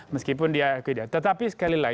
meskipun dia tidak